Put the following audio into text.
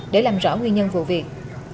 để làm rõ nguyên nhân vụ việc